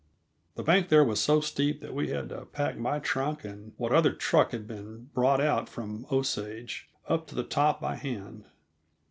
The bank there was so steep that we had to pack my trunk and what other truck had been brought out from Osage, up to the top by hand.